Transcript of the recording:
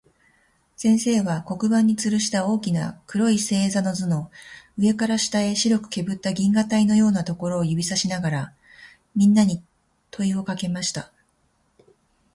先生は、黒板に吊つるした大きな黒い星座の図の、上から下へ白くけぶった銀河帯のようなところを指さしながら、みんなに問といをかけました。